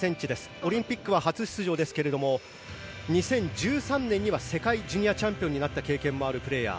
オリンピックは初出場ですが２０１３年には世界ジュニアチャンピオンになった経験もあるプレーヤー。